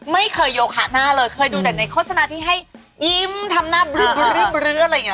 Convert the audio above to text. ไม่เคยโยคะหน้าเลยเคยดูแต่ในโฆษณาที่ให้ยิ้มทำหน้าบรื้นอะไรอย่างนี้